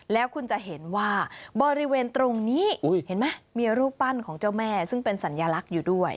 แล้วคุณจะเห็นว่าบริเวณตรงนี้เห็นไหมมีรูปปั้นของเจ้าแม่ซึ่งเป็นสัญลักษณ์อยู่ด้วย